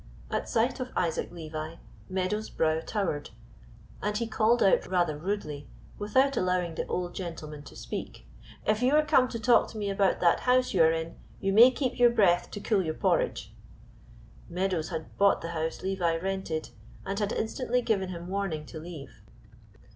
At sight of Isaac Levi Meadows' brow towered, and he called out rather rudely without allowing the old gentleman to speak, "If you are come to talk to me about that house you are in you may keep your breath to cool your porridge." Meadows had bought the house Isaac rented, and had instantly given him warning to leave.